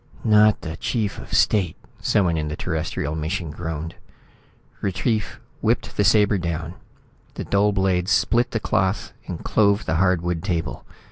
"Not the chief of state," someone in the Terrestrial mission groaned. Retief whipped the sabre down. The dull blade split the cloth and clove the hardwood table.